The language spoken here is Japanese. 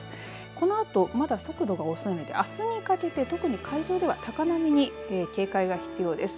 このあと、まだ速度が遅いのであすにかけて特に海上では高波に警戒が必要です。